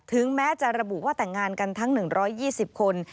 ถึงแม้จะระบุว่าแต่งงานกันทั้ง๑๒๐คน